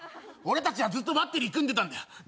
俺たちはずっとバッテリー組んでたんだよ。